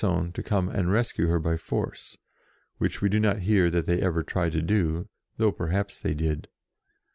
on to come and rescue her by force, which we do not hear that they ever tried to do, though per haps they did.